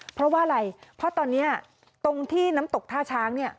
เพราะว่าอะไรเพราะตอนนี้ตรงที่น้ำตกท่าช้างเนี่ย